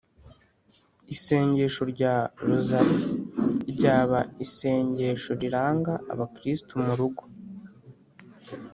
isengesho rya rozali ryaba isengesho riranga abakristu mu rugo,